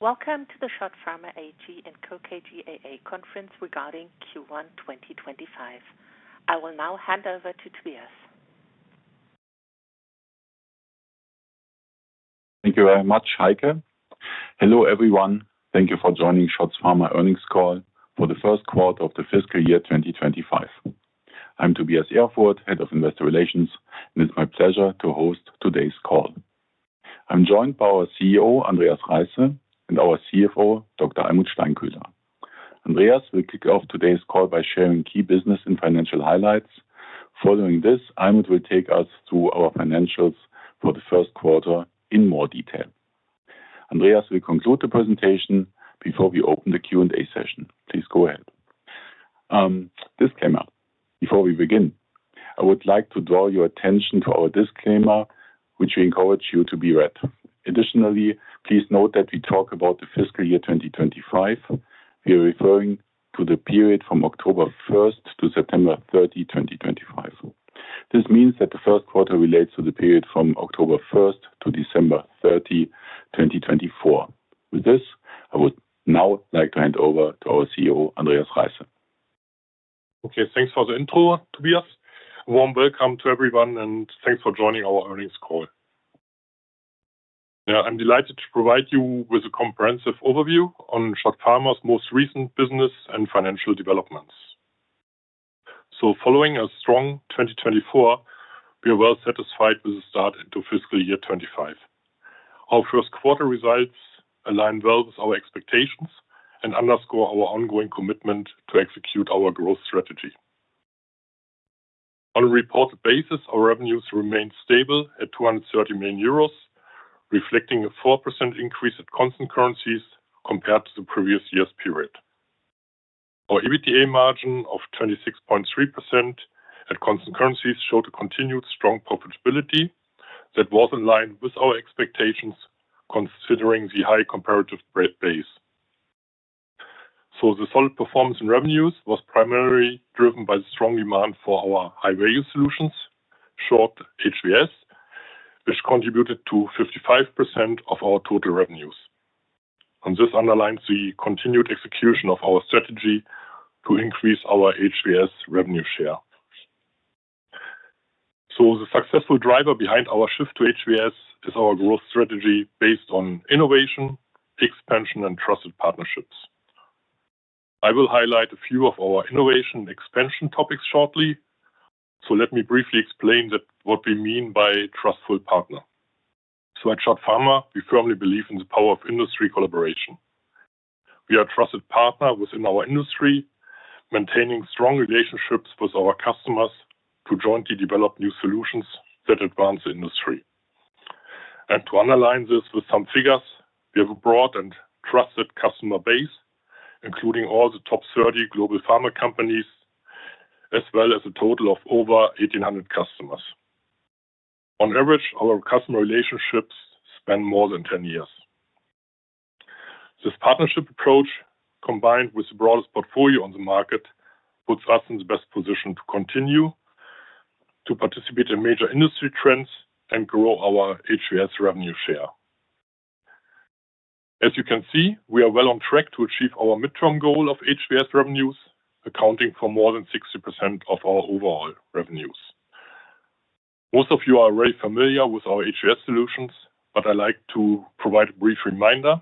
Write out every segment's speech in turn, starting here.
Welcome to the SCHOTT Pharma conference regarding Q1 2025. I will now hand over to Tobias. Thank you very much, Heike. Hello, everyone. Thank you for joining SCHOTT Pharma Earnings Call for the first quarter of the fiscal year 2025. I'm Tobias Erfurth, Head of Investor Relations, and it's my pleasure to host today's call. I'm joined by our CEO, Andreas Reisse, and our CFO, Dr. Almuth Steinkühler. Andreas will kick off today's call by sharing key business and financial highlights. Following this, Almuth will take us through our financials for the first quarter in more detail. Andreas will conclude the presentation before we open the Q&A session. Please go ahead. Disclaimer: Before we begin, I would like to draw your attention to our disclaimer, which we encourage you to read. Additionally, please note that we talk about the fiscal year 2025. We are referring to the period from October 1st to September 30, 2025. This means that the first quarter relates to the period from October 1st to December 30, 2024. With this, I would now like to hand over to our CEO, Andreas Reisse. Okay, thanks for the intro, Tobias. A warm welcome to everyone, and thanks for joining our earnings call. Yeah, I'm delighted to provide you with a comprehensive overview on SCHOTT Pharma's most recent business and financial developments. So, following a strong 2024, we are well satisfied with the start into fiscal year 2025. Our first quarter results align well with our expectations and underscore our ongoing commitment to execute our growth strategy. On a reported basis, our revenues remain stable at 230 million euros, reflecting a 4% increase at constant currencies compared to the previous year's period. Our EBITDA margin of 26.3% at constant currencies showed a continued strong profitability that was in line with our expectations, considering the high comparative base. So, the solid performance in revenues was primarily driven by the strong demand for our high-value solutions, SCHOTT HVS, which contributed to 55% of our total revenues. This underlines the continued execution of our strategy to increase our HVS revenue share. The successful driver behind our shift to HVS is our growth strategy based on innovation, expansion, and trusted partnerships. I will highlight a few of our innovation and expansion topics shortly, so let me briefly explain what we mean by a trustful partner. At SCHOTT Pharma, we firmLy believe in the power of industry collaboration. We are a trusted partner within our industry, maintaining strong relationships with our customers to jointly develop new solutions that advance the industry. To underline this with some figures, we have a broad and trusted customer base, including all the top 30 global pharma companies, as well as a total of over 1,800 customers. On average, our customer relationships span more than 10 years. This partnership approach, combined with the broadest portfolio on the market, puts us in the best position to continue to participate in major industry trends and grow our HVS revenue share. As you can see, we are well on track to achieve our midterm goal of HVS revenues, accounting for more than 60% of our overall revenues. Most of you are already familiar with our HVS solutions, but I'd like to provide a brief reminder.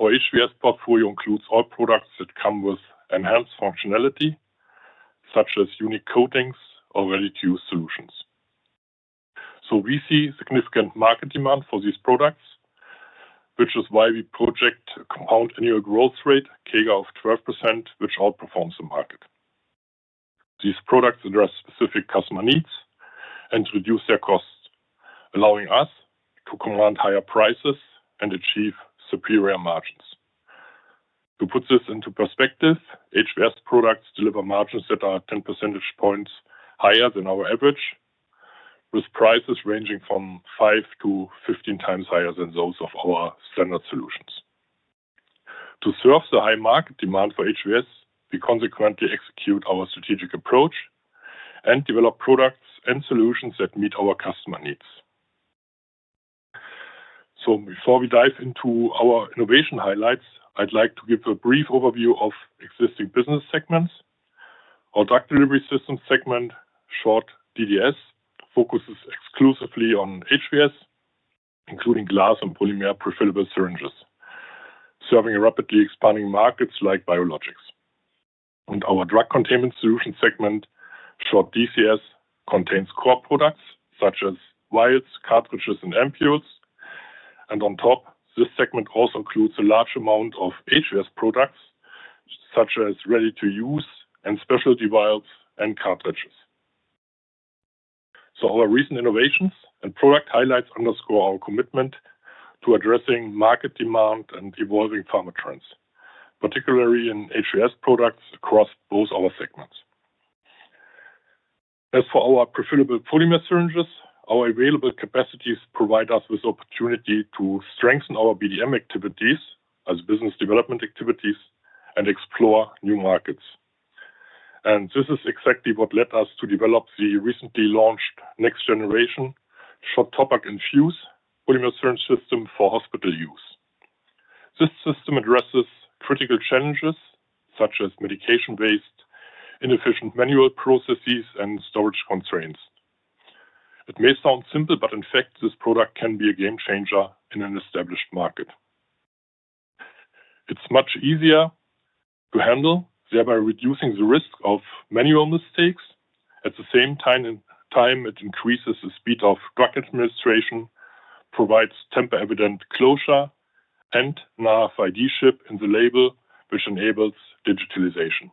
Our HVS portfolio includes all products that come with enhanced functionality, such as unique coatings or ready-to-use solutions. So, we see significant market demand for these products, which is why we project a compound annual growth rate CAGR of 12%, which outperforms the market. These products address specific customer needs and reduce their costs, allowing us to command higher prices and achieve superior margins. To put this into perspective, HVS products deliver margins that are 10 percentage points higher than our average, with prices ranging from 5x-15x higher than those of our standard solutions. To serve the high market demand for HVS, we consequently execute our strategic approach and develop products and solutions that meet our customer needs. So, before we dive into our innovation highlights, I'd like to give a brief overview of existing business segments. Our Drug Delivery Systems segment, short DDS, focuses exclusively on HVS, including glass and polymer prefillable syringes, serving rapidly expanding markets like biologics. Drug Containment Solutions segment, short DCS, contains core products such as vials, cartridges, and ampoules. And on top, this segment also includes a large amount of HVS products such as ready-to-use and specialty vials and cartridges. Our recent innovations and product highlights underscore our commitment to addressing market demand and evolving pharma trends, particularly in HVS products across both our segments. As for our prefillable polymer syringes, our available capacities provide us with the opportunity to strengthen our BDM activities as business development activities and explore new markets. This is exactly what led us to develop the recently launched next-generation SCHOTT TOPPAC infuse polymer syringe system for hospital use. This system addresses critical challenges such as medication waste, inefficient manual processes, and storage constraints. It may sound simple, but in fact, this product can be a game changer in an established market. It's much easier to handle, thereby reducing the risk of manual mistakes. At the same time, it increases the speed of drug administration, provides tamper-evident closure, and NFC ID chip in the label, which enables digitalization.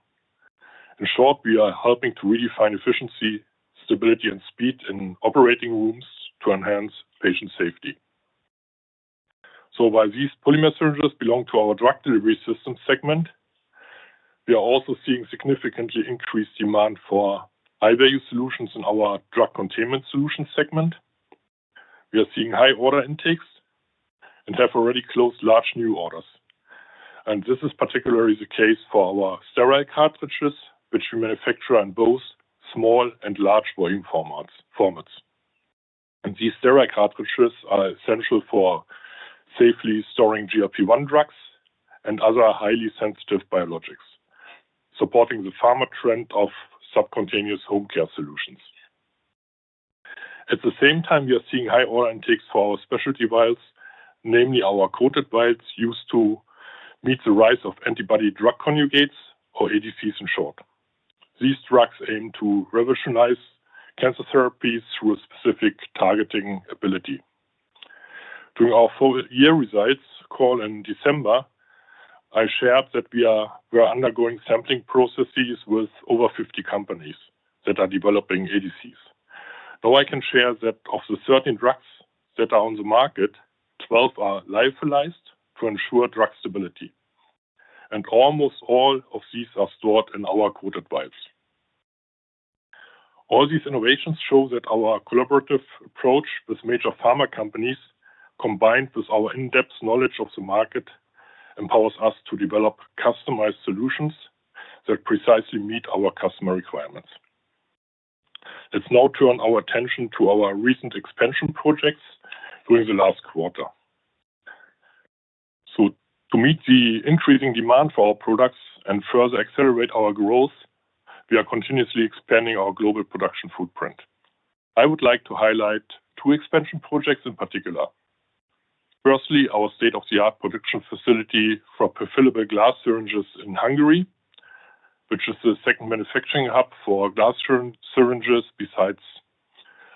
In short, we are helping to redefine efficiency, stability, and speed in operating rooms to enhance patient safety. So, while these polymer syringes belong to our Drug Delivery Systems segment, we are also seeing significantly increased demand for high-value solutions Drug Containment Solution segment. We are seeing high order intakes and have already closed large new orders. And this is particularly the case for our sterile cartridges, which we manufacture in both small and large volume formats. And these sterile cartridges are essential for safely storing GLP-1 drugs and other highly sensitive biologics, supporting the pharma trend of subcutaneous home care solutions. At the same time, we are seeing high order intakes for our specialty vials, namely our coated vials used to meet the rise of antibody drug conjugates, or ADCs in short. These drugs aim to revolutionize cancer therapies through a specific targeting ability. During our full-year results call in December, I shared that we are undergoing sampling processes with over 50 companies that are developing ADCs. Though I can share that of the 13 drugs that are on the market, 12 are lyophilized to ensure drug stability, and almost all of these are stored in our coated vials. All these innovations show that our collaborative approach with major pharma companies, combined with our in-depth knowledge of the market, empowers us to develop customized solutions that precisely meet our customer requirements. Let's now turn our attention to our recent expansion projects during the last quarter. So, to meet the increasing demand for our products and further accelerate our growth, we are continuously expanding our global production footprint. I would like to highlight two expansion projects in particular. Firstly, our state-of-the-art production facility for prefillable glass syringes in Hungary, which is the second manufacturing hub for glass syringes besides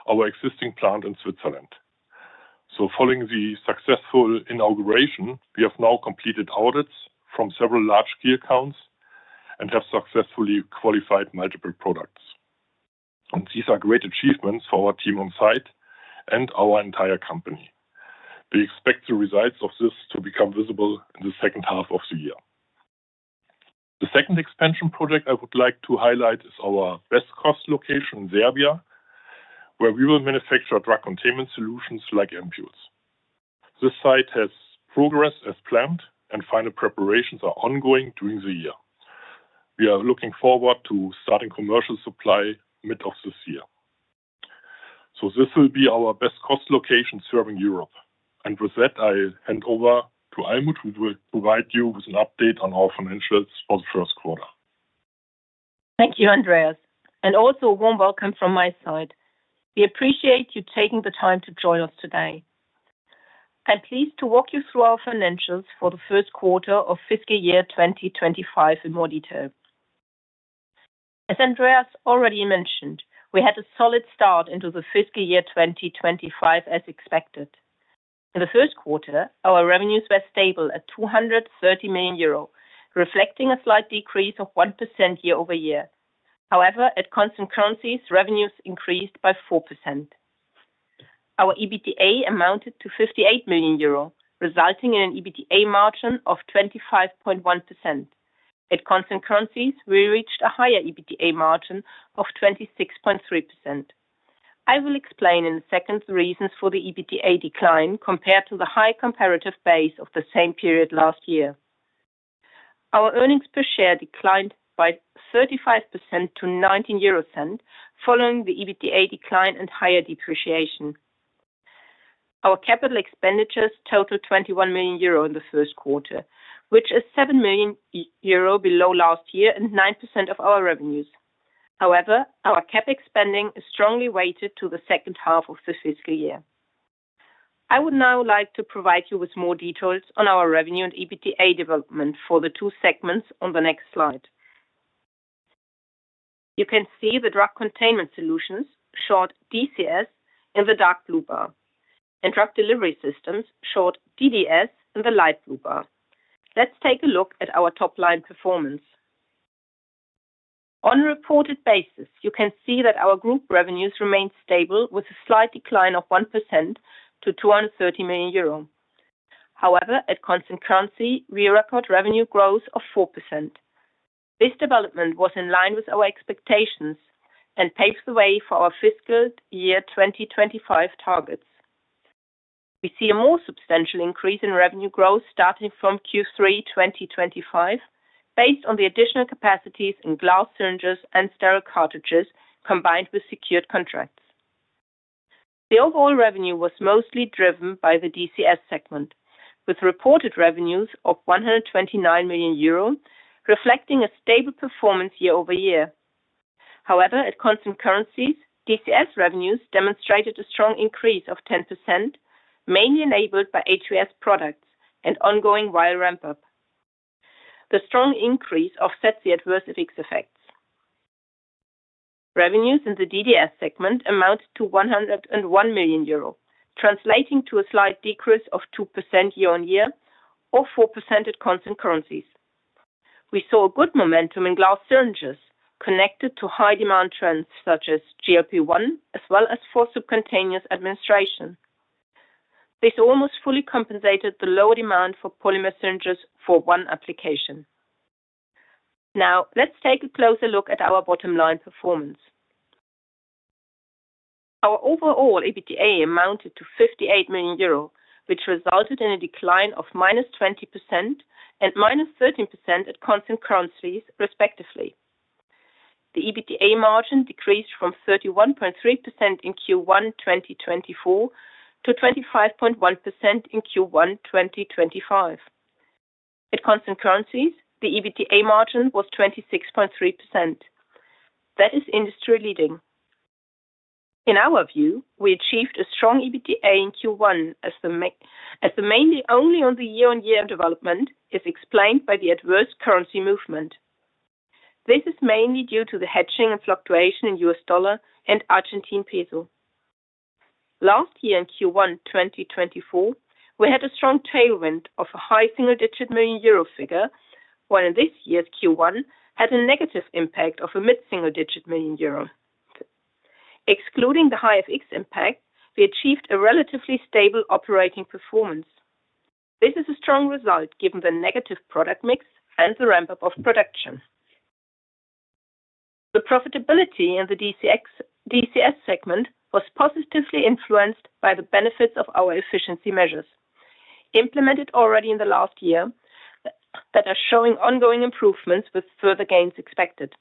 our existing plant in Switzerland. Following the successful inauguration, we have now completed audits from several large key accounts and have successfully qualified multiple products. These are great achievements for our team on site and our entire company. We expect the results of this to become visible in the second half of the year. The second expansion project I would like to highlight is our best-cost location in Serbia, where we Drug Containment Solutions like ampoules. This site has progressed as planned, and final preparations are ongoing during the year. We are looking forward to starting commercial supply mid of this year. This will be our best-cost location serving Europe. With that, I hand over to Almuth, who will provide you with an update on our financials for the first quarter. Thank you, Andreas. And also a warm welcome from my side. We appreciate you taking the time to join us today. I'm pleased to walk you through our financials for the first quarter of fiscal year 2025 in more detail. As Andreas already mentioned, we had a solid start into the fiscal year 2025 as expected. In the first quarter, our revenues were stable at 230 million euro, reflecting a slight decrease of 1% year-over-year. However, at constant currencies, revenues increased by 4%. Our EBITDA amounted to 58 million euro, resulting in an EBITDA margin of 25.1%. At constant currencies, we reached a higher EBITDA margin of 26.3%. I will explain in a second the reasons for the EBITDA decline compared to the high comparative base of the same period last year. Our earnings per share declined by 35% to 0.19, following the EBITDA decline and higher depreciation. Our capital expenditures totaled 21 million euro in the first quarter, which is 7 million euro below last year and 9% of our revenues. However, our CapEx spending is strongly weighted to the second half of the fiscal year. I would now like to provide you with more details on our revenue and EBITDA development for the two segments on the next slide. You can Drug Containment Solutions, short DCS, in the dark blue bar, and Drug Delivery Systems, short DDS, in the light blue bar. Let's take a look at our top-line performance. On a reported basis, you can see that our group revenues remained stable with a slight decline of 1% to 230 million euro. However, at constant currency, we record revenue growth of 4%. This development was in line with our expectations and paved the way for our fiscal year 2025 targets. We see a more substantial increase in revenue growth starting from Q3 2025, based on the additional capacities in glass syringes and sterile cartridges combined with secured contracts. The overall revenue was mostly driven by the DCS segment, with reported revenues of EUR 129 million, reflecting a stable performance year-over-year. However, at constant currencies, DCS revenues demonstrated a strong increase of 10%, mainly enabled by HVS products and ongoing vial ramp-up. The strong increase offsets the adverse effects. Revenues in the DDS segment amounted to 101 million euro, translating to a slight decrease of 2% year-on-year, or 4% at constant currencies. We saw a good momentum in glass syringes connected to high-demand trends such as GLP-1, as well as for subcutaneous administration. This almost fully compensated the lower demand for polymer syringes for one application. Now, let's take a closer look at our bottom-line performance. Our overall EBITDA amounted to 58 million euro, which resulted in a decline of -20% and -13% at constant currencies, respectively. The EBITDA margin decreased from 31.3% in Q1 2024 to 25.1% in Q1 2025. At constant currencies, the EBITDA margin was 26.3%. That is industry-leading. In our view, we achieved a strong EBITDA in Q1, as the mainly only on the year-on-year development is explained by the adverse currency movement. This is mainly due to the hedging and fluctuation in U.S. dollar and Argentine peso. Last year, in Q1 2024, we had a strong tailwind of a high single-digit million euro figure, while in this year's Q1, we had a negative impact of a mid-single-digit million euro. Excluding the high FX impact, we achieved a relatively stable operating performance. This is a strong result given the negative product mix and the ramp-up of production. The profitability in the DCS segment was positively influenced by the benefits of our efficiency measures implemented already in the last year that are showing ongoing improvements, with further gains expected.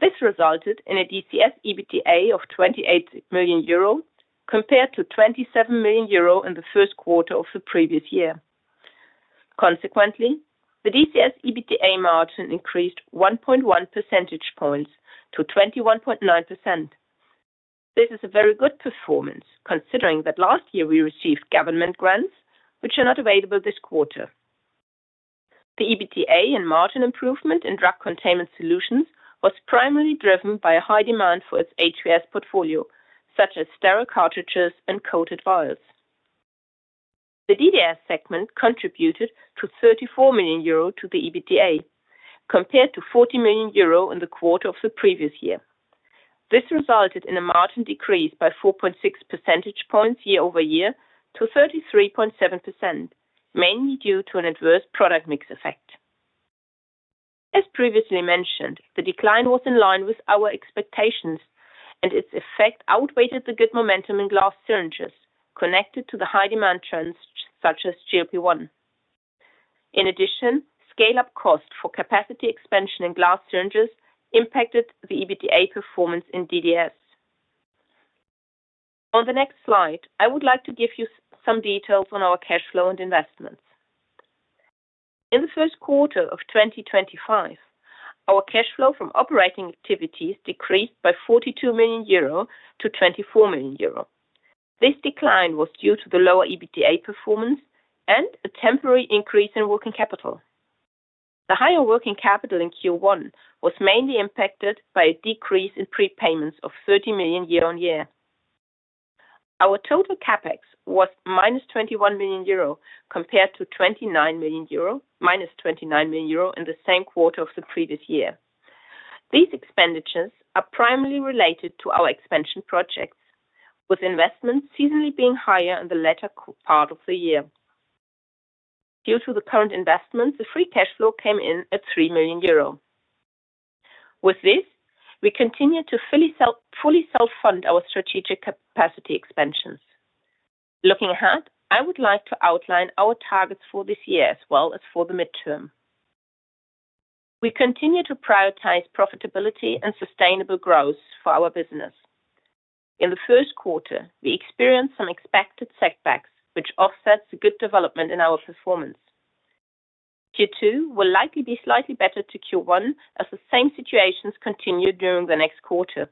This resulted in a DCS EBITDA of 28 million euro compared to 27 million euro in the first quarter of the previous year. Consequently, the DCS EBITDA margin increased 1.1 percentage points to 21.9%. This is a very good performance, considering that last year we received government grants, which are not available this quarter. The EBITDA and margin Drug Containment Solutions was primarily driven by a high demand for its HVS portfolio, such as sterile cartridges and coated vials. The DDS segment contributed 34 million euro to the EBITDA, compared to 40 million euro in the quarter of the previous year. This resulted in a margin decrease by 4.6 percentage points year-over-year to 33.7%, mainly due to an adverse product mix effect. As previously mentioned, the decline was in line with our expectations, and its effect outweighed the good momentum in glass syringes connected to the high-demand trends, such as GLP-1. In addition, scale-up cost for capacity expansion in glass syringes impacted the EBITDA performance in DDS. On the next slide, I would like to give you some details on our cash flow and investments. In the first quarter of 2025, our cash flow from operating activities decreased by 42 million-24 million euro. This decline was due to the lower EBITDA performance and a temporary increase in working capital. The higher working capital in Q1 was mainly impacted by a decrease in prepayments of 30 million year-on-year. Our total CapEx was -21 million euro compared to 29 million euro, -29 million euro in the same quarter of the previous year. These expenditures are primarily related to our expansion projects, with investments seasonally being higher in the latter part of the year. Due to the current investments, the free cash flow came in at 3 million euro. With this, we continue to fully self-fund our strategic capacity expansions. Looking ahead, I would like to outline our targets for this year as well as for the midterm. We continue to prioritize profitability and sustainable growth for our business. In the first quarter, we experienced some expected setbacks, which offsets the good development in our performance. Q2 will likely be slightly better to Q1, as the same situations continue during the next quarter.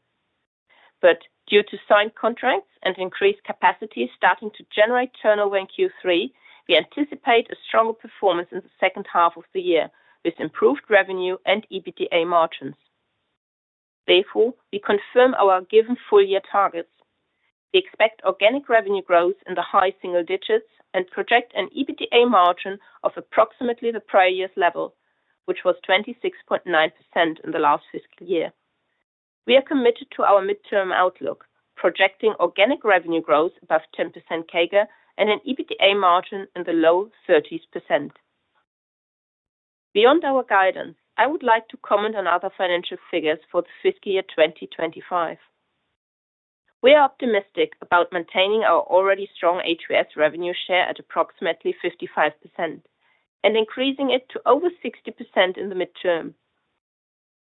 But due to signed contracts and increased capacity starting to generate turnover in Q3, we anticipate a stronger performance in the second half of the year with improved revenue and EBITDA margins. Therefore, we confirm our given full-year targets. We expect organic revenue growth in the high single digits and project an EBITDA margin of approximately the prior year's level, which was 26.9% in the last fiscal year. We are committed to our midterm outlook, projecting organic revenue growth above 10% CAGR and an EBITDA margin in the low 30%. Beyond our guidance, I would like to comment on other financial figures for the fiscal year 2025. We are optimistic about maintaining our already strong HVS revenue share at approximately 55% and increasing it to over 60% in the midterm.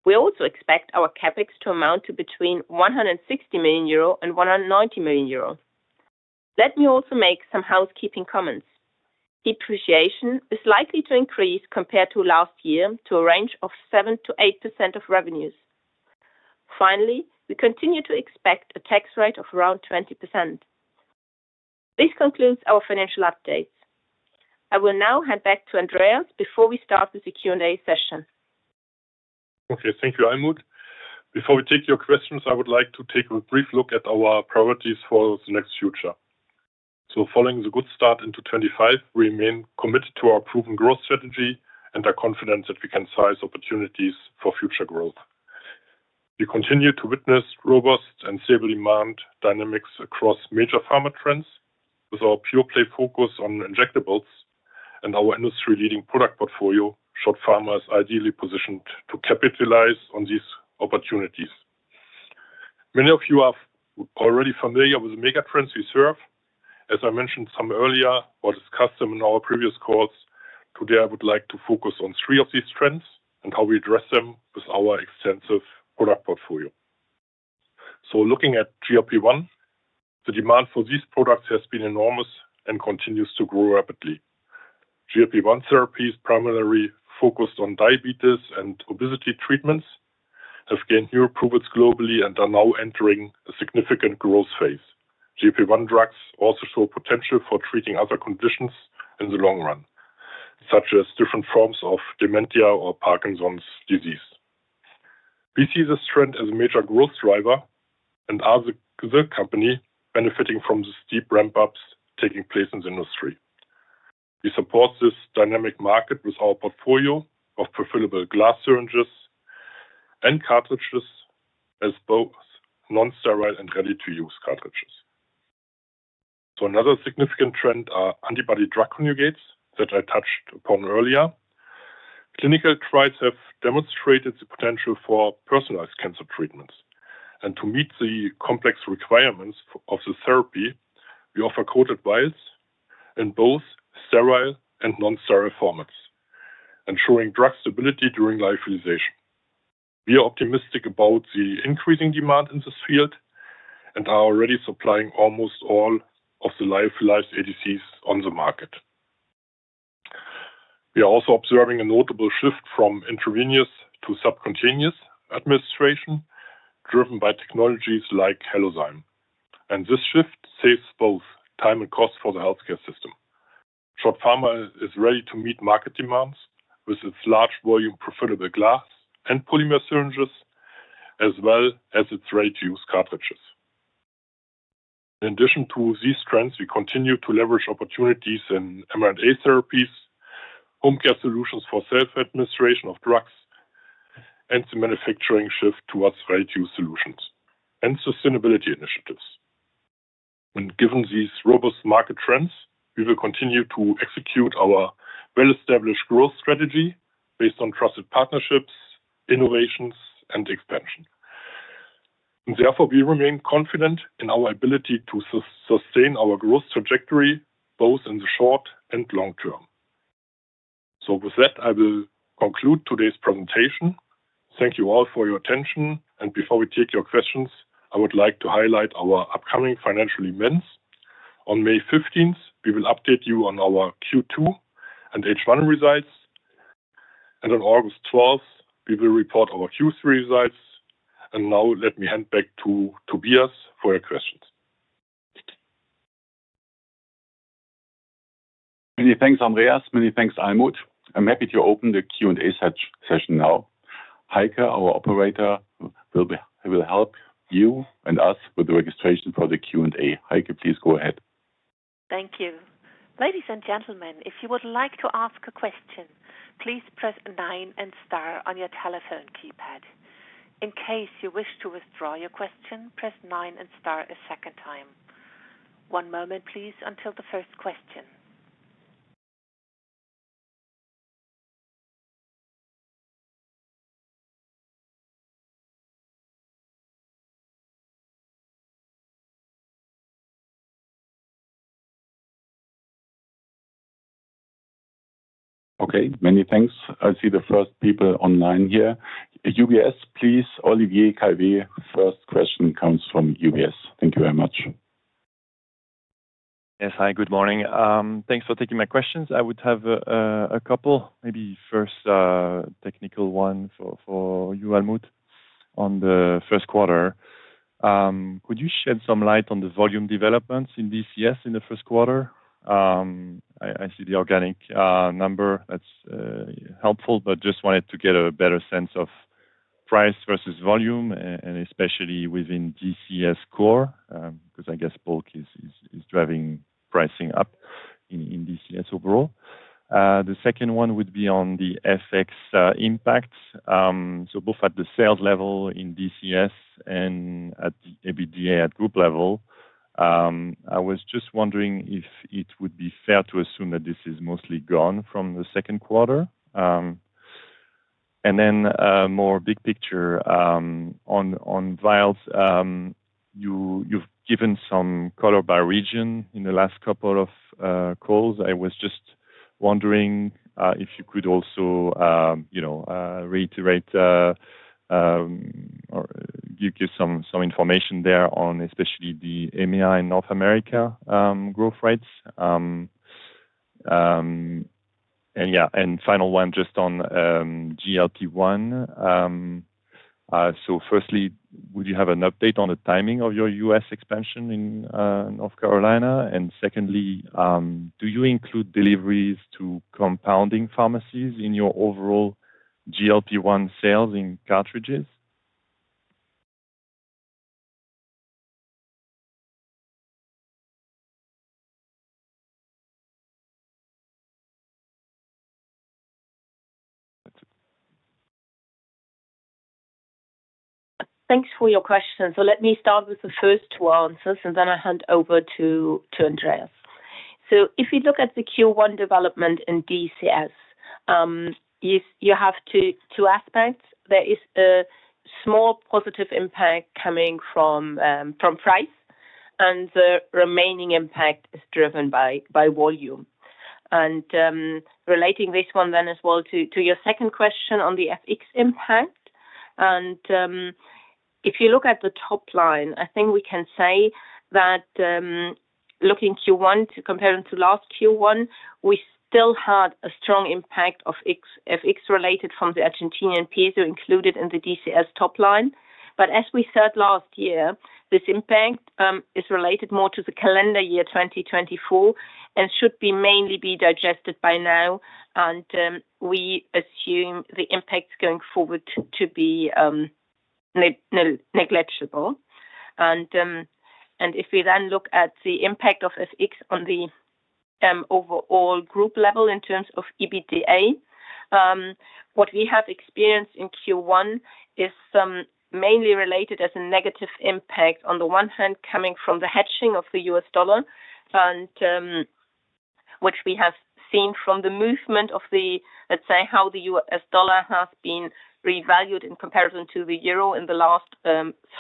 We also expect our CapEx to amount to between 160 million euro and 190 million euro. Let me also make some housekeeping comments. Depreciation is likely to increase compared to last year to a range of 7%-8% of revenues. Finally, we continue to expect a tax rate of around 20%. This concludes our financial updates. I will now hand back to Andreas before we start with the Q&A session. Thank you. Thank you, Almuth. Before we take your questions, I would like to take a brief look at our priorities for the near future. Following the good start into 2025, we remain committed to our proven growth strategy and are confident that we can seize opportunities for future growth. We continue to witness robust and stable demand dynamics across major pharma trends. With our pure-play focus on injectables and our industry-leading product portfolio, SCHOTT Pharma is ideally positioned to capitalize on these opportunities. Many of you are already familiar with the mega trends we serve. As I mentioned some earlier or discussed them in our previous calls, today I would like to focus on three of these trends and how we address them with our extensive product portfolio. Looking at GLP-1, the demand for these products has been enormous and continues to grow rapidly. GLP-1 therapies, primarily focused on diabetes and obesity treatments, have gained new approvals globally and are now entering a significant growth phase. GLP-1 drugs also show potential for treating other conditions in the long run, such as different forms of dementia or Parkinson's disease. We see this trend as a major growth driver and as a company benefiting from the steep ramp-ups taking place in the industry. We support this dynamic market with our portfolio of prefillable glass syringes and cartridges as both non-sterile and ready-to-use cartridges. So, another significant trend is antibody drug conjugates that I touched upon earlier. Clinical trials have demonstrated the potential for personalized cancer treatments. And to meet the complex requirements of the therapy, we offer coated vials in both sterile and non-sterile formats, ensuring drug stability during lyophilization. We are optimistic about the increasing demand in this field and are already supplying almost all of the leading ADCs on the market. We are also observing a notable shift from intravenous to subcutaneous administration driven by technologies like Halozyme. And this shift saves both time and cost for the healthcare system. SCHOTT Pharma is ready to meet market demands with its large-volume prefillable glass and polymer syringes, as well as its ready-to-use cartridges. In addition to these trends, we continue to leverage opportunities in mRNA therapies, home care solutions for self-administration of drugs, and the manufacturing shift towards ready-to-use solutions and sustainability initiatives. And given these robust market trends, we will continue to execute our well-established growth strategy based on trusted partnerships, innovations, and expansion. Therefore, we remain confident in our ability to sustain our growth trajectory both in the short and long term. So, with that, I will conclude today's presentation. Thank you all for your attention. And before we take your questions, I would like to highlight our upcoming financial events. On May 15th, we will update you on our Q2 and H1 results. And on August 12th, we will report our Q3 results. And now, let me hand back to Tobias for your questions. Many thanks, Andreas. Many thanks, Almuth. I'm happy to open the Q&A session now. Heike, our operator, will help you and us with the registration for the Q&A. Heike, please go ahead. Thank you. Ladies and gentlemen, if you would like to ask a question, please press nine and star on your telephone keypad. In case you wish to withdraw your question, press nine and star a second time. One moment, please, until the first question. Okay. Many thanks. I see the first people online here. UBS, please. Olivier Calvet, first question comes from UBS. Thank you very much. Yes. Hi. Good morning. Thanks for taking my questions. I would have a couple, maybe first technical one for you, Almuth, on the first quarter. Could you shed some light on the volume developments in DCS in the first quarter? I see the organic number. That's helpful, but just wanted to get a better sense of price versus volume, and especially within DCS core, because I guess bulk is driving pricing up in DCS overall. The second one would be on the FX impacts. So, both at the sales level in DCS and at the EBITDA at group level, I was just wondering if it would be fair to assume that this is mostly gone from the second quarter. And then more big picture on vials, you've given some color by region in the last couple of calls. I was just wondering if you could also reiterate or give some information there on especially the EMEA in North America growth rates? And yeah, and final one just on GLP-1. So, firstly, would you have an update on the timing of your U.S. expansion in North Carolina? And secondly, do you include deliveries to compounding pharmacies in your overall GLP-1 sales in cartridges? Thanks for your question. Let me start with the first two answers, and then I'll hand over to Andreas. If you look at the Q1 development in DCS, you have two aspects. There is a small positive impact coming from price, and the remaining impact is driven by volume. Relating this one then as well to your second question on the FX impact, if you look at the top line, I think we can say that looking Q1 compared to last Q1, we still had a strong impact of FX-related from the Argentine peso included in the DCS top line. But as we said last year, this impact is related more to the calendar year 2024 and should mainly be digested by now. We assume the impact going forward to be negligible. If we then look at the impact of FX on the overall group level in terms of EBITDA, what we have experienced in Q1 is mainly related as a negative impact on the one hand coming from the hedging of the U.S. dollar, which we have seen from the movement of the, let's say, how the U.S. dollar has been revalued in comparison to the euro in the last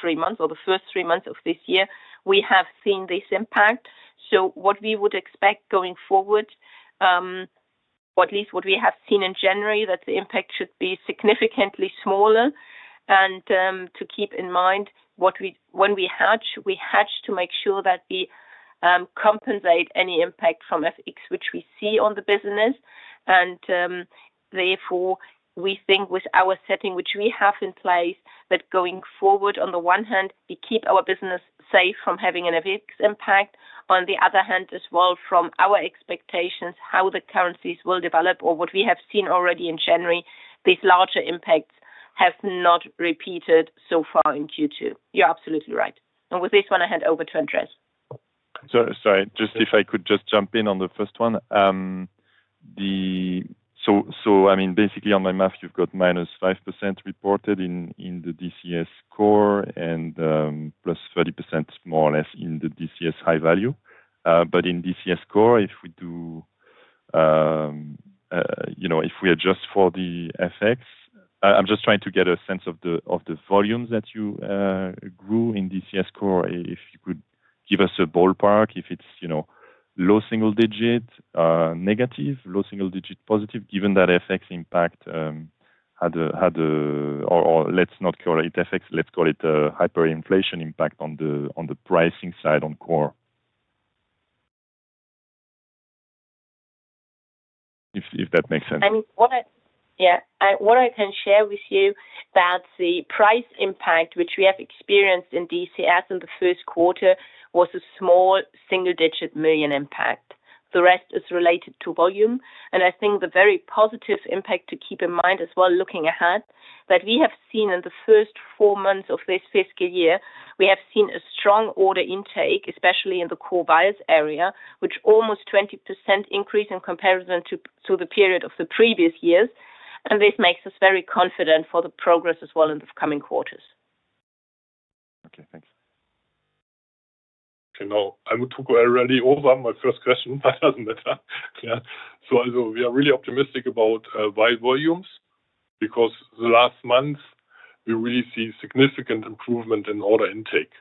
three months or the first three months of this year. We have seen this impact. What we would expect going forward, or at least what we have seen in January, that the impact should be significantly smaller. To keep in mind, when we hedge, we hedge to make sure that we compensate any impact from FX, which we see on the business. And therefore, we think with our setting, which we have in place, that going forward, on the one hand, we keep our business safe from having an FX impact. On the other hand, as well, from our expectations, how the currencies will develop or what we have seen already in January, these larger impacts have not repeated so far in Q2. You're absolutely right. And with this one, I hand over to Andreas. Sorry, just if I could just jump in on the first one. So, I mean, basically on my math, you've got -5% reported in the DCS core and +30% more or less in the DCS high value. But in DCS core, if we do, if we adjust for the FX, I'm just trying to get a sense of the volumes that you grew in DCS core. If you could give us a ballpark, if it's low single digit negative, low single digit positive, given that FX impact had a, or let's not call it FX, let's call it hyperinflation impact on the pricing side on core. If that makes sense. I mean, yeah, what I can share with you that the price impact which we have experienced in DCS in the first quarter was a small single-digit million impact. The rest is related to volume, and I think the very positive impact to keep in mind as well, looking ahead, that we have seen in the first four months of this fiscal year, we have seen a strong order intake, especially in the core vials area, which almost 20% increase in comparison to the period of the previous years, and this makes us very confident for the progress as well in the coming quarters. Okay. Thanks. Okay. No, I would to go already over my first question, but it doesn't matter. Yeah. So, I know we are really optimistic about vial volumes because the last month, we really see significant improvement in order intake.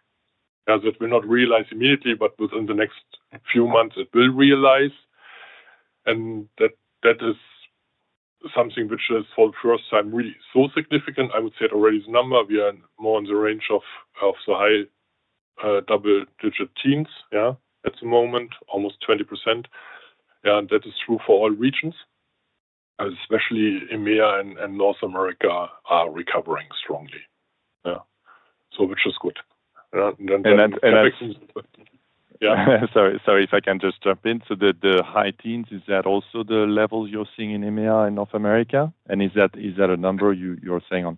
Yeah, that we'll not realize immediately, but within the next few months, it will realize. And that is something which is for the first time really so significant. I would say it already is a number. We are more in the range of the high double-digit teens, yeah, at the moment, almost 20%. Yeah, and that is true for all regions, especially EMEA and North America are recovering strongly. Yeah, so which is good. And that. And. Sorry, sorry if I can just jump in. So the high teens, is that also the level you're seeing in EMEA and North America? And is that a number you're saying on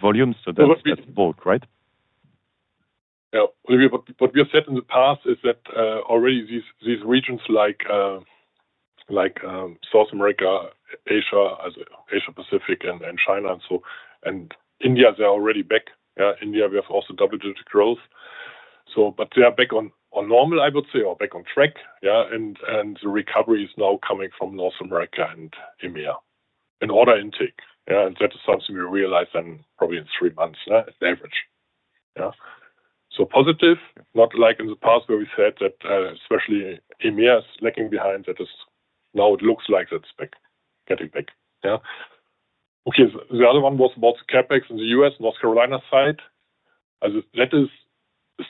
volumes? So that's bulk, right? Yeah. What we have said in the past is that already these regions like South America, Asia, Asia-Pacific, and China, and India, they're already back. Yeah, India, we have also double-digit growth. So, but they are back on normal, I would say, or back on track. Yeah, and the recovery is now coming from North America and EMEA in order intake. Yeah, and that is something we realize then probably in three months, yeah, it's average. Yeah, so positive, not like in the past where we said that especially EMEA is lagging behind. That is now. It looks like it's getting back. Yeah. Okay. The other one was about the CapEx in the U.S., North Carolina side. That is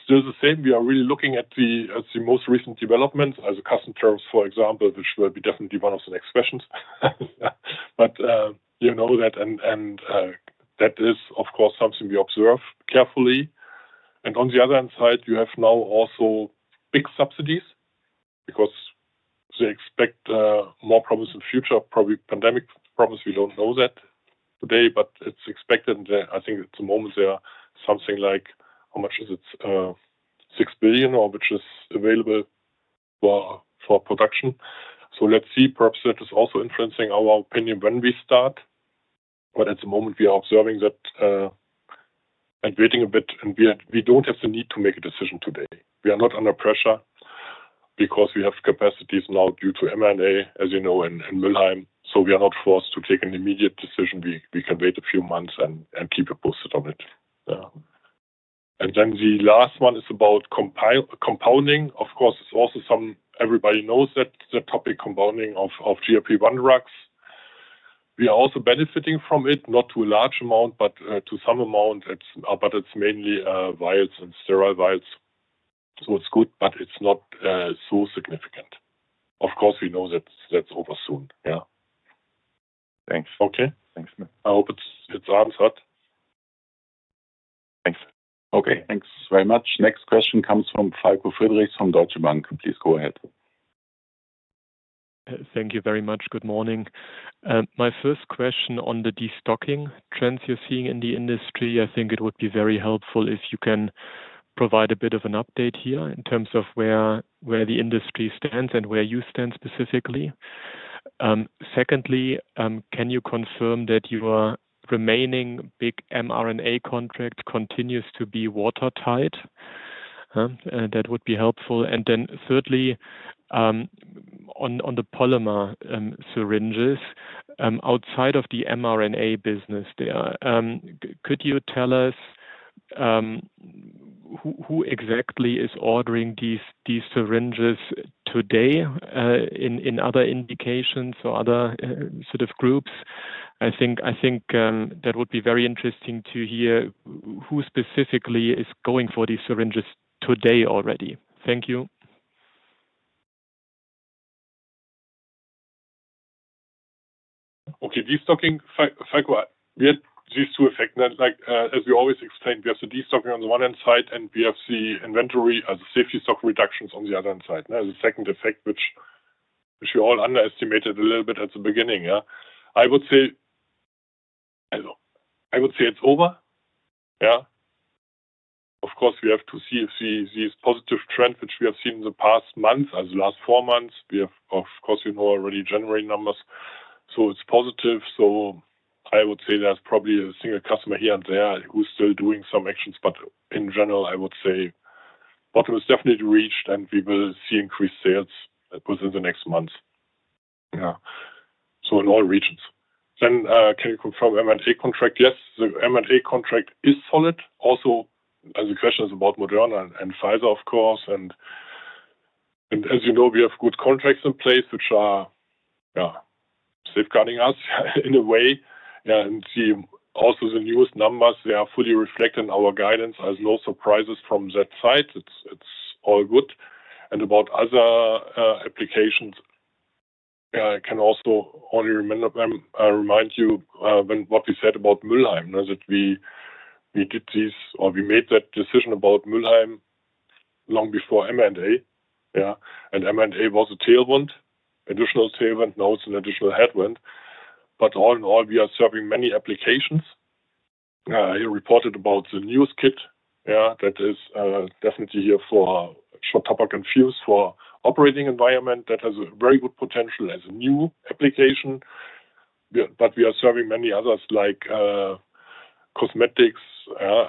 still the same. We are really looking at the most recent developments, as customer terms, for example, which will be definitely one of the next questions. But you know that, and that is, of course, something we observe carefully. And on the other hand side, you have now also big subsidies because they expect more problems in the future, probably pandemic problems. We don't know that today, but it's expected. And I think at the moment, they are something like how much is it? 6 billion, which is available for production. So let's see. Perhaps that is also influencing our opinion when we start. But at the moment, we are observing that and waiting a bit. And we don't have the need to make a decision today. We are not under pressure because we have capacities now due to M&A, as you know, in Müllheim. So we are not forced to take an immediate decision. We can wait a few months and keep you posted on it. And then the last one is about compounding. Of course, it's also some. Everybody knows that the topic compounding of GLP-1 drugs. We are also benefiting from it, not to a large amount, but to some amount, but it's mainly vials and sterile vials. So it's good, but it's not so significant. Of course, we know that's over soon. Yeah. Thanks. Okay. Thanks. I hope it's answered. Thanks. Okay. Thanks very much. Next question comes from Falko Friedrichs from Deutsche Bank. Please go ahead. Thank you very much. Good morning. My first question on the destocking trends you're seeing in the industry, I think it would be very helpful if you can provide a bit of an update here in terms of where the industry stands and where you stand specifically. Secondly, can you confirm that your remaining big mRNA contract continues to be watertight? That would be helpful. And then thirdly, on the polymer syringes, outside of the mRNA business there, could you tell us who exactly is ordering these syringes today in other indications or other sort of groups? I think that would be very interesting to hear who specifically is going for these syringes today already. Thank you. Okay. Destocking, Falko, we had these two effects. As we always explain, we have the destocking on the one hand side, and we have the inventory as a safety stock reductions on the other hand side, as a second effect, which we all underestimated a little bit at the beginning. Yeah, I would say it's over. Yeah. Of course, we have to see if these positive trends, which we have seen in the past months, as last four months, we have, of course, you know already January numbers. So it's positive. So I would say there's probably a single customer here and there who's still doing some actions. But in general, I would say bottom is definitely reached, and we will see increased sales within the next months. Yeah. So in all regions. Then can you confirm M&A contract? Yes. The M&A contract is solid. Also, the question is about Moderna and Pfizer, of course. And as you know, we have good contracts in place, which are safeguarding us in a way. Yeah. And see also the newest numbers, they are fully reflected in our guidance. There's no surprises from that side. It's all good. And about other applications, I can also only remind you what we said about Müllheim, that we did these or we made that decision about Müllheim long before M&A. Yeah. And M&A was a tailwind, additional tailwind, now it's an additional headwind. But all in all, we are serving many applications. I reported about the newest kit. Yeah. That is definitely here for SCHOTT TOPPAC and infuse for operating environment. That has a very good potential as a new application. But we are serving many others like cosmetics,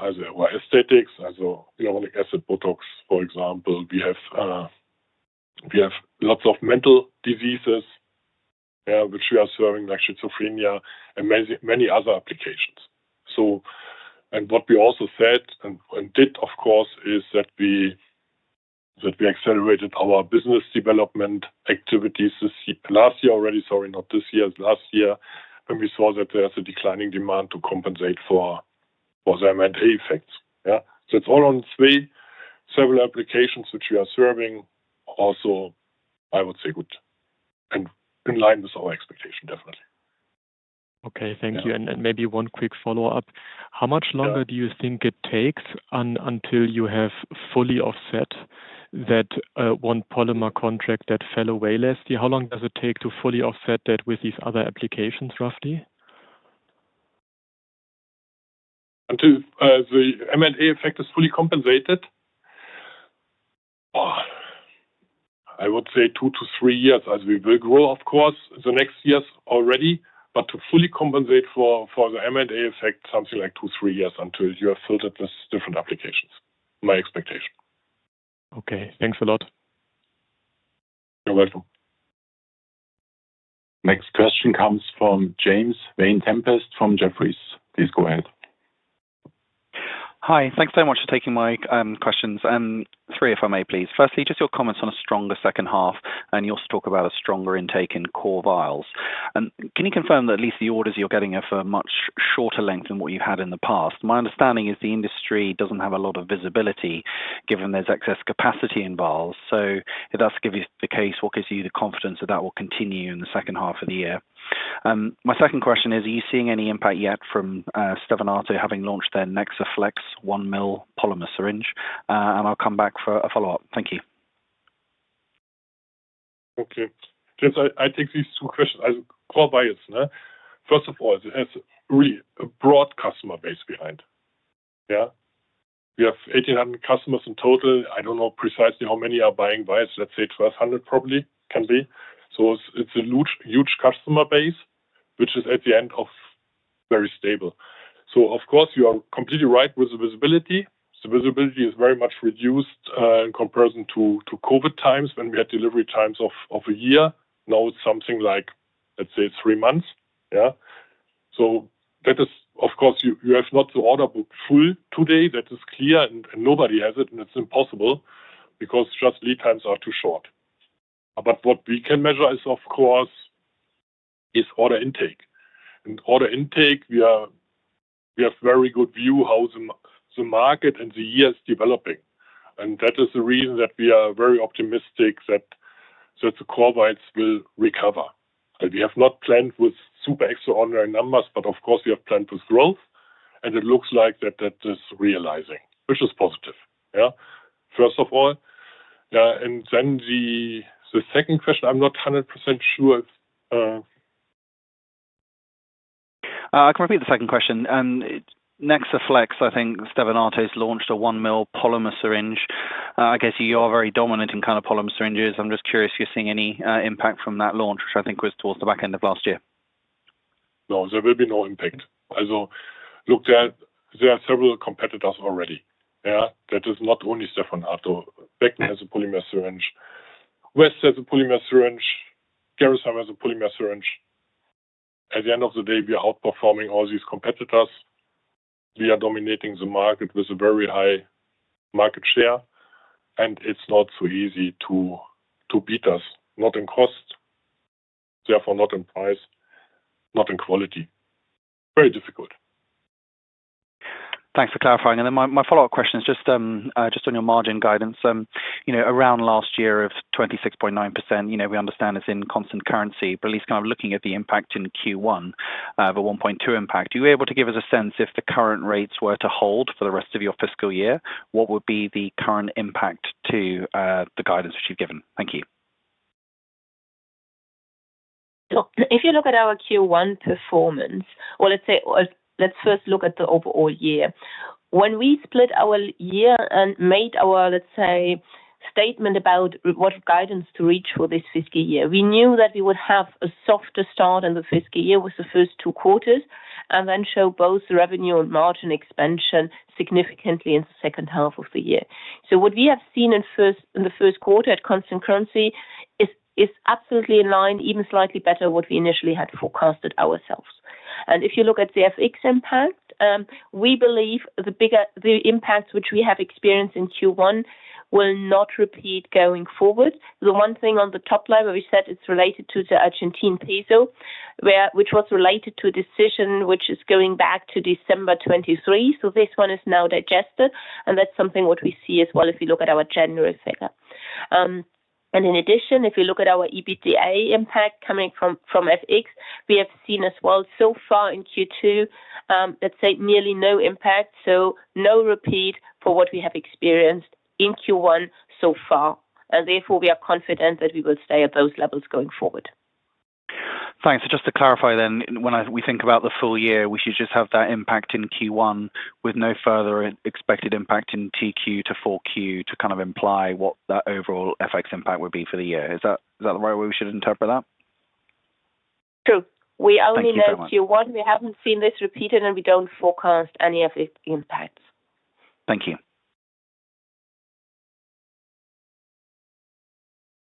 as well as aesthetics, as well as Botox, for example. We have lots of mental diseases, which we are serving, like schizophrenia and many other applications. And what we also said and did, of course, is that we accelerated our business development activities last year already. Sorry, not this year, last year, when we saw that there's a declining demand to compensate for the M&A effects. Yeah. So it's all on three several applications which we are serving. Also, I would say good and in line with our expectation, definitely. Okay. Thank you. And maybe one quick follow-up. How much longer do you think it takes until you have fully offset that one polymer contract that fell away last year? How long does it take to fully offset that with these other applications roughly? Until the M&A effect is fully compensated? I would say two to three years as we will grow, of course, the next years already. But to fully compensate for the M&A effect, something like two, three years until you have filled up these different applications. My expectation. Okay. Thanks a lot. You're welcome. Next question comes from James Vane-Tempest from Jefferies. Please go ahead. Hi. Thanks so much for taking my questions. Three, if I may, please. Firstly, just your comments on a stronger second half, and you also talk about a stronger intake in core vials. Can you confirm that at least the orders you're getting are for a much shorter length than what you've had in the past? My understanding is the industry doesn't have a lot of visibility given there's excess capacity in vials. So if that's the case, what gives you the confidence that that will continue in the second half of the year? My second question is, are you seeing any impact yet from Stevanato having launched their Nexa Flex 1 mL polymer syringe? And I'll come back for a follow-up. Thank you. Okay. I take these two questions as for vials. First of all, it has really a broad customer base behind. Yeah. We have 1,800 customers in total. I don't know precisely how many are buying vials. Let's say 1,200 probably can be. So it's a huge customer base, which is, in the end, very stable. So, of course, you are completely right with the visibility. The visibility is very much reduced in comparison to COVID times when we had delivery times of a year. Now it's something like, let's say, three months. Yeah. So that is, of course, you have not to order book full today. That is clear, and nobody has it. And it's impossible because just lead times are too short. But what we can measure is, of course, order intake. And order intake, we have a very good view of how the market and the year is developing. And that is the reason that we are very optimistic that the core vials will recover. We have not planned with super extraordinary numbers, but of course, we have planned with growth. And it looks like that is realizing, which is positive. Yeah. First of all, yeah. And then the second question, I'm not 100% sure if. I can repeat the second question. Nexa Flex, I think Stevanato has launched a 1 mL polymer syringe. I guess you are very dominant in kind of polymer syringes. I'm just curious if you're seeing any impact from that launch, which I think was towards the back end of last year. No, there will be no impact. I looked at, there are several competitors already. Yeah. That is not only Stevanato. Becton has a polymer syringe. West has a polymer syringe. Gerresheimer has a polymer syringe. At the end of the day, we are outperforming all these competitors. We are dominating the market with a very high market share. And it's not so easy to beat us, not in cost, therefore not in price, not in quality. Very difficult. Thanks for clarifying, and then my follow-up question is just on your margin guidance. Around last year of 26.9%, we understand it's in constant currency, but at least kind of looking at the impact in Q1 of a 1.2 impact, are you able to give us a sense if the current rates were to hold for the rest of your fiscal year, what would be the current impact to the guidance which you've given? Thank you. So if you look at our Q1 performance, well, let's say, first look at the overall year. When we split our year and made our, let's say, statement about what guidance to reach for this fiscal year, we knew that we would have a softer start in the fiscal year with the first two quarters and then show both revenue and margin expansion significantly in the second half of the year, so what we have seen in the first quarter at constant currency is absolutely in line, even slightly better what we initially had forecasted ourselves, and if you look at the FX impact, we believe the impacts which we have experienced in Q1 will not repeat going forward. The one thing on the top line where we said it's related to the Argentine peso, which was related to a decision which is going back to December 2023. So this one is now digested. And that's something what we see as well if you look at our general figure. And in addition, if you look at our EBITDA impact coming from FX, we have seen as well so far in Q2, let's say, nearly no impact. So no repeat for what we have experienced in Q1 so far. And therefore, we are confident that we will stay at those levels going forward. Thanks. Just to clarify then, when we think about the full year, we should just have that impact in Q1 with no further expected impact in Q2 to 4Q to kind of imply what that overall FX impact would be for the year. Is that the right way we should interpret that? True. We only know Q1. We haven't seen this repeated, and we don't forecast any of the impacts. Thank you.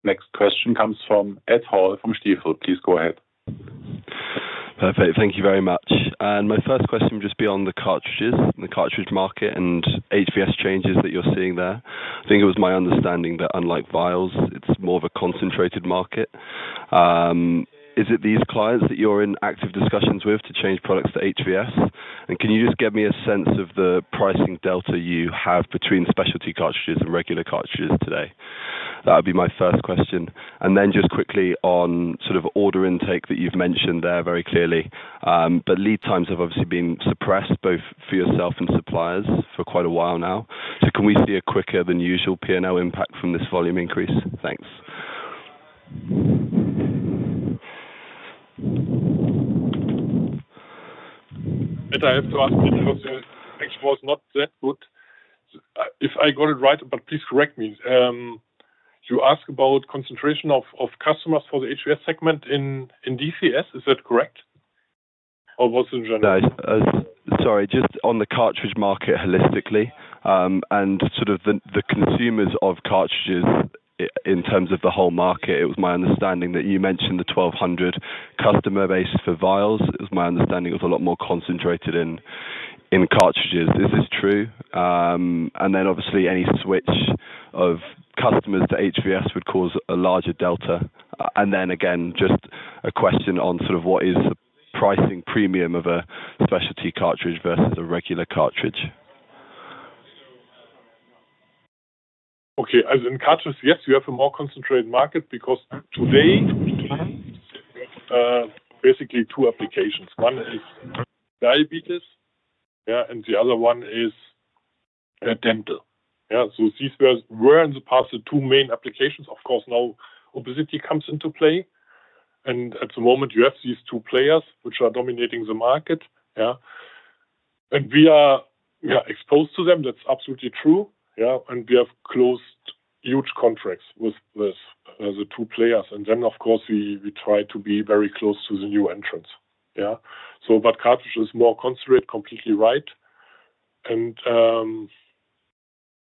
Next question comes from Ed Hall from Stifel. Please go ahead. Perfect. Thank you very much. And my first question just beyond the cartridges, the cartridge market and HVS changes that you're seeing there. I think it was my understanding that unlike vials, it's more of a concentrated market. Is it these clients that you're in active discussions with to change products to HVS? And can you just give me a sense of the pricing delta you have between specialty cartridges and regular cartridges today? That would be my first question. And then just quickly on sort of order intake that you've mentioned there very clearly, but lead times have obviously been suppressed both for yourself and suppliers for quite a while now. So can we see a quicker than usual P&L impact from this volume increase? Thanks. I have to ask because actually it was not that good. If I got it right, but please correct me. You asked about concentration of customers for the HVS segment in DCS. Is that correct? Or was it in general? Sorry, just on the cartridge market holistically and sort of the consumers of cartridges in terms of the whole market, it was my understanding that you mentioned the 1,200 customer base for vials. It was my understanding it was a lot more concentrated in cartridges. Is this true? And then obviously, any switch of customers to HVS would cause a larger delta. And then again, just a question on sort of what is the pricing premium of a specialty cartridge versus a regular cartridge? Okay. As in cartridges, yes, you have a more concentrated market because today, basically two applications. One is diabetes, and the other one is dental. Yeah. So these were in the past the two main applications. Of course, now obesity comes into play. And at the moment, you have these two players which are dominating the market. Yeah. And we are exposed to them. That's absolutely true. Yeah. And we have closed huge contracts with the two players. And then, of course, we try to be very close to the new entrants. Yeah. But cartridge is more concentrated, completely right. And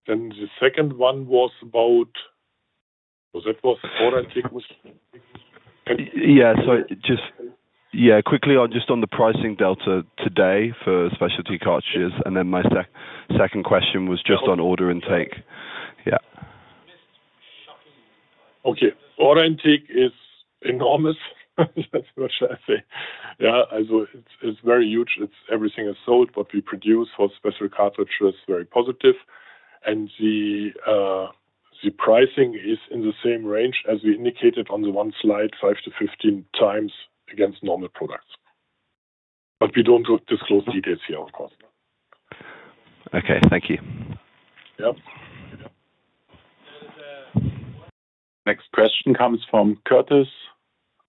then the second one was about that was order intake was. Yeah. So just, yeah, quickly on the pricing delta today for specialty cartridges. And then my second question was just on order intake. Yeah. Okay. Order intake is enormous. That's what I say. Yeah. It's very huge. Everything is sold, but we produce for special cartridges very positive. And the pricing is in the same range as we indicated on the one slide, 5x-15x against normal products. But we don't disclose details here, of course. Okay. Thank you. Yeah. Next question comes from Curtis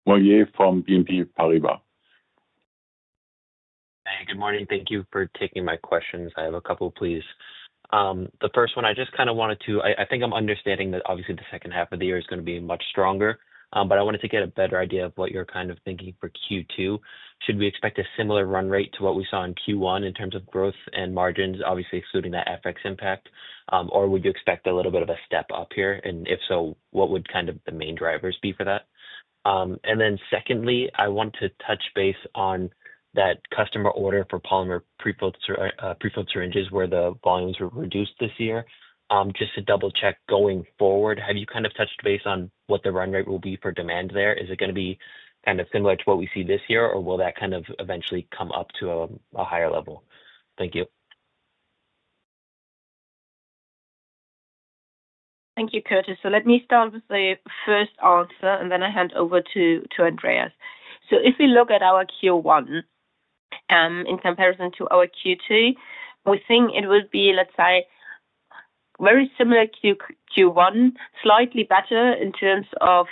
Moiles from BNP Paribas. Hey, good morning. Thank you for taking my questions. I have a couple, please. The first one, I just kind of wanted to. I think I'm understanding that obviously the second half of the year is going to be much stronger, but I wanted to get a better idea of what you're kind of thinking for Q2. Should we expect a similar run rate to what we saw in Q1 in terms of growth and margins, obviously excluding that FX impact? Or would you expect a little bit of a step up here? And if so, what would kind of the main drivers be for that? And then secondly, I want to touch base on that customer order for polymer prefilled syringes where the volumes were reduced this year. Just to double-check going forward, have you kind of touched base on what the run rate will be for demand there? Is it going to be kind of similar to what we see this year, or will that kind of eventually come up to a higher level? Thank you. Thank you, Curtis. So let me start with the first answer, and then I hand over to Andreas. So if we look at our Q1 in comparison to our Q2, we think it would be, let's say, very similar to Q1, slightly better in terms of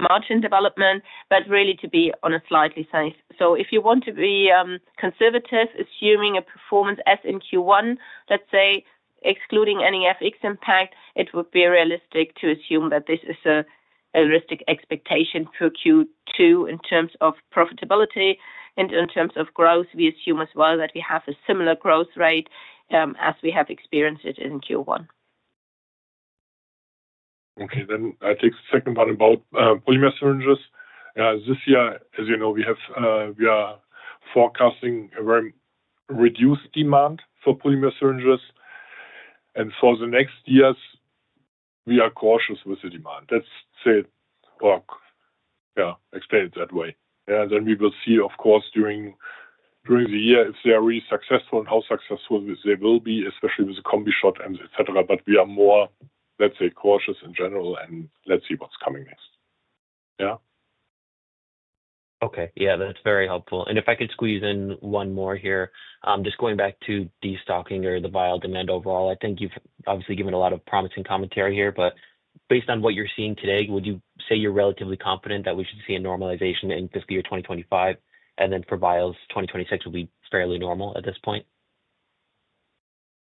margin development, but really to be on the safe side. So if you want to be conservative, assuming a performance as in Q1, let's say, excluding any FX impact, it would be realistic to assume that this is a realistic expectation for Q2 in terms of profitability. And in terms of growth, we assume as well that we have a similar growth rate as we have experienced it in Q1. Okay, then I take the second one about polymer syringes. This year, as you know, we are forecasting a very reduced demand for polymer syringes, and for the next years, we are cautious with the demand. Let's say, yeah, explain it that way. Yeah, then we will see, of course, during the year if they are really successful and how successful they will be, especially with the combi shot and etc., but we are more, let's say, cautious in general, and let's see what's coming next. Yeah. Okay. Yeah. That's very helpful. And if I could squeeze in one more here, just going back to the destocking or the vial demand overall, I think you've obviously given a lot of promising commentary here, but based on what you're seeing today, would you say you're relatively confident that we should see a normalization in fiscal year 2025? And then for vials, 2026 will be fairly normal at this point?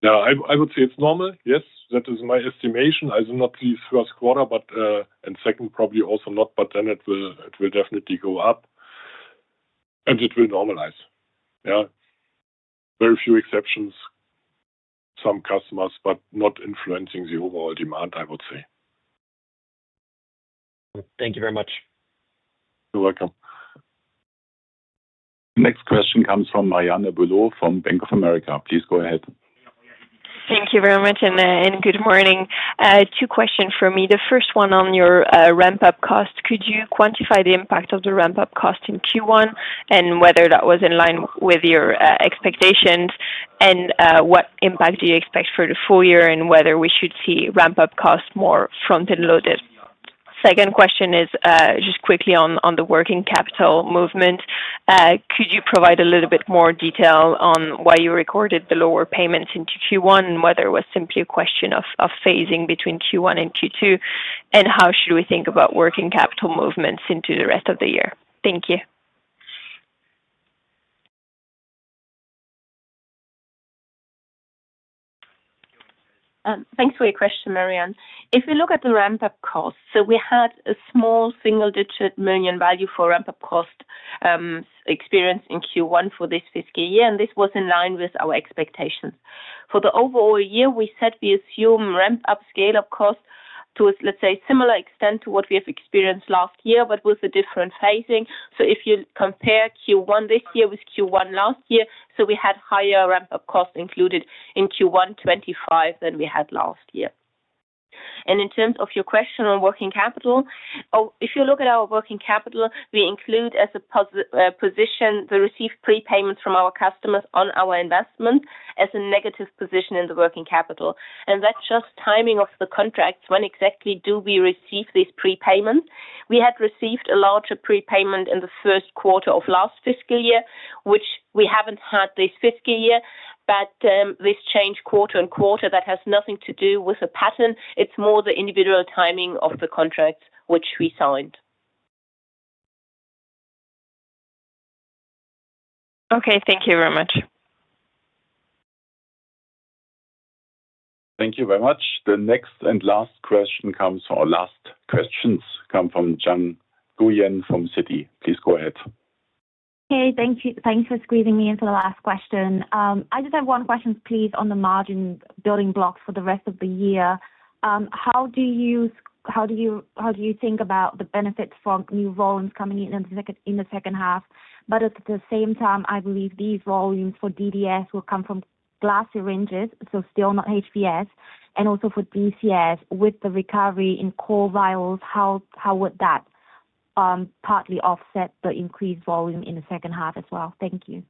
No, I would say it's normal. Yes, that is my estimation. As in not the first quarter, but in second, probably also not, but then it will definitely go up. And it will normalize. Yeah. Very few exceptions, some customers, but not influencing the overall demand, I would say. Thank you very much. You're welcome. Next question comes from Marianne Bulot from Bank of America. Please go ahead. Thank you very much and good morning. Two questions for me. The first one on your ramp-up cost. Could you quantify the impact of the ramp-up cost in Q1 and whether that was in line with your expectations? And what impact do you expect for the full year and whether we should see ramp-up costs more front-end loaded? Second question is just quickly on the working capital movement. Could you provide a little bit more detail on why you recorded the lower payments into Q1 and whether it was simply a question of phasing between Q1 and Q2? And how should we think about working capital movements into the rest of the year? Thank you. Thanks for your question, Marianne. If we look at the ramp-up cost, so we had a small single-digit million value for ramp-up cost experience in Q1 for this fiscal year, and this was in line with our expectations. For the overall year, we said we assume ramp-up scale of cost to, let's say, similar extent to what we have experienced last year, but with a different phasing. So if you compare Q1 this year with Q1 last year, so we had higher ramp-up costs included in Q1 2025 than we had last year. And in terms of your question on working capital, if you look at our working capital, we include as a position the received prepayments from our customers on our investment as a negative position in the working capital. And that's just timing of the contracts. When exactly do we receive these prepayments? We had received a larger prepayment in the first quarter of last fiscal year, which we haven't had this fiscal year, but this changes quarter to quarter. That has nothing to do with a pattern. It's more the individual timing of the contracts which we signed. Okay. Thank you very much. Thank you very much. The next and last question comes from Jan Nguyen from Citi. Please go ahead. Okay. Thank you for squeezing me in for the last question. I just have one question, please, on the margin building blocks for the rest of the year. How do you think about the benefits from new volumes coming in the second half? But at the same time, I believe these volumes for DDS will come from glass syringes, so still not HVS. And also for DCS, with the recovery in core vials, how would that partly offset the increased volume in the second half as well? Thank you.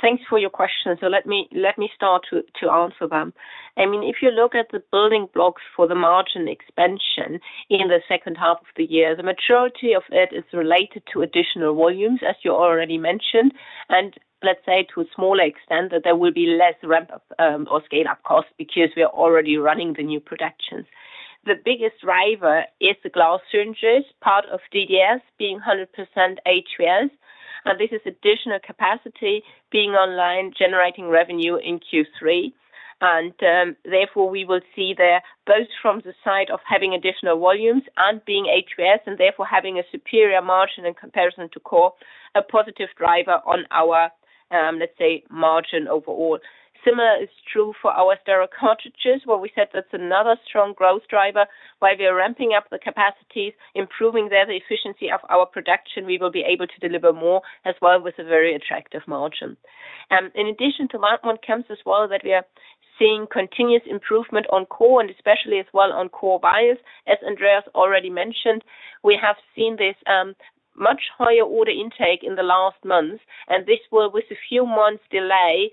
Thanks for your question. So let me start to answer them. I mean, if you look at the building blocks for the margin expansion in the second half of the year, the majority of it is related to additional volumes, as you already mentioned. And let's say to a smaller extent that there will be less ramp-up or scale-up costs because we are already running the new productions. The biggest driver is the glass syringes, part of DDS being 100% HVS. And this is additional capacity being online generating revenue in Q3. And therefore, we will see there both from the side of having additional volumes and being HVS and therefore having a superior margin in comparison to core, a positive driver on our, let's say, margin overall. Similar is true for our sterile cartridges, where we said that's another strong growth driver. While we are ramping up the capacities, improving the efficiency of our production, we will be able to deliver more as well with a very attractive margin. In addition to that, one comes as well that we are seeing continuous improvement on core and especially as well on core vials. As Andreas already mentioned, we have seen this much higher order intake in the last months. And this will, with a few months' delay,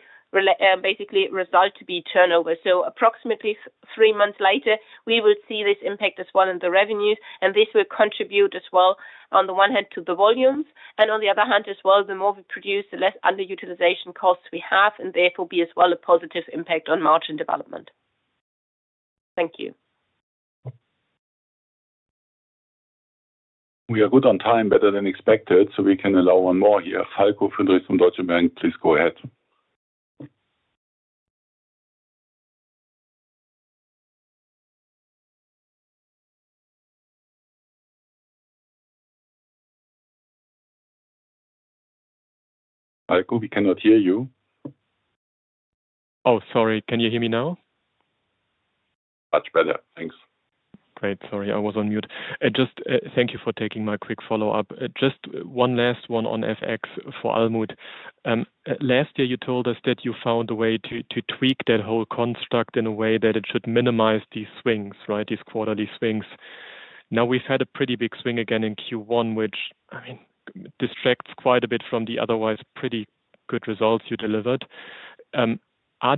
basically result to be turnover. So approximately three months later, we will see this impact as well in the revenues. And this will contribute as well on the one hand to the volumes. And on the other hand as well, the more we produce, the less underutilization costs we have and therefore be as well a positive impact on margin development. Thank you. We are good on time, better than expected. So we can allow one more here. Falko Friedrichs from Deutsche Bank, please go ahead. Falko, we cannot hear you. Oh, sorry. Can you hear me now? Much better. Thanks. Great. Sorry, I was on mute. Just thank you for taking my quick follow-up. Just one last one on FX for Almuth. Last year, you told us that you found a way to tweak that whole construct in a way that it should minimize these swings, right? These quarterly swings. Now we've had a pretty big swing again in Q1, which, I mean, distracts quite a bit from the otherwise pretty good results you delivered. Are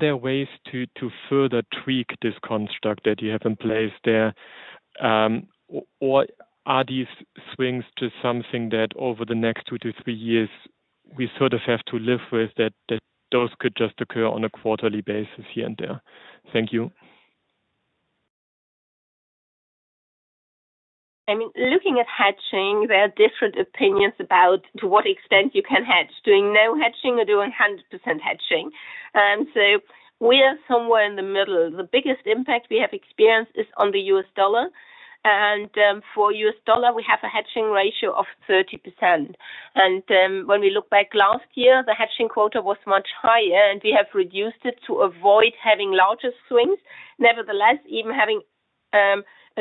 there ways to further tweak this construct that you have in place there? Or are these swings just something that over the next two to three years, we sort of have to live with that those could just occur on a quarterly basis here and there? Thank you. I mean, looking at hedging, there are different opinions about to what extent you can hedge, doing no hedging or doing 100% hedging. So we are somewhere in the middle. The biggest impact we have experienced is on the U.S. dollar. And for U.S. dollar, we have a hedging ratio of 30%. And when we look back last year, the hedging quota was much higher, and we have reduced it to avoid having larger swings. Nevertheless, even having a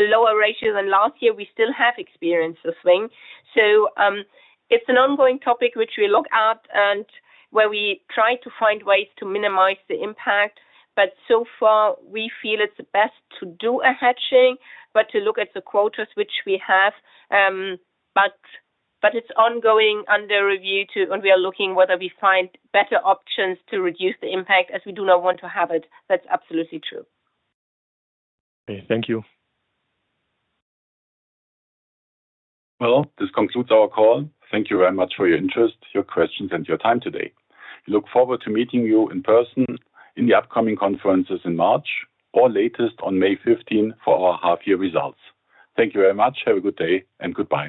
lower ratio than last year, we still have experienced a swing. So it's an ongoing topic which we look at and where we try to find ways to minimize the impact. But so far, we feel it's best to do a hedging, but to look at the quotas which we have. But it's ongoing under review, and we are looking whether we find better options to reduce the impact as we do not want to have it. That's absolutely true. Okay. Thank you. This concludes our call. Thank you very much for your interest, your questions, and your time today. We look forward to meeting you in person in the upcoming conferences in March or latest on May 15 for our half-year results. Thank you very much. Have a good day and goodbye.